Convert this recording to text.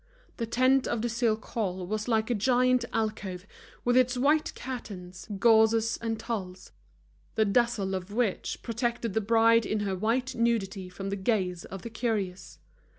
The tent of the silk hall was like a giant alcove, with its white curtains, gauzes and tulles, the dazzle of which protected the bride in her white nudity from the gaze of the curious.